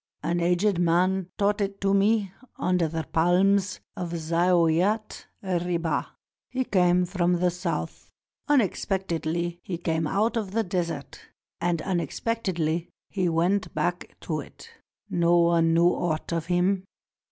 An aged man taught it to me under the palms of Zaouiat Ribah. He came from the South. Unexpectedly he came out of the desert, and unexpect 358 THE MUSIC OF THE DESERT edly he went back to it. No one knew aught of him.